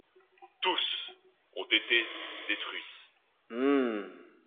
Tous ont été détruits.